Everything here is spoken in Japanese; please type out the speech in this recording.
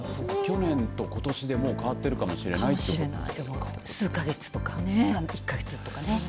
去年とことしでもう変わっているかもしれない数か月とか１か月とかね。